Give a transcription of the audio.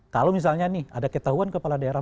kalau misalnya nih ada ketahuan kepala daerah